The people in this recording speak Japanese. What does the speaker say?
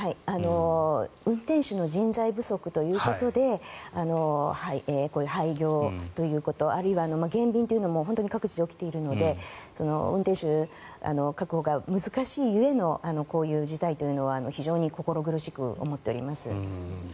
運転手の人材不足ということで廃業ということあるいは減便というのも各地で起きているので運転手確保が難しい故のこういう事態というのは非常に心苦しく思っております。